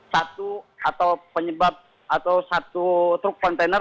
satu atau penyebab atau satu truk kontainer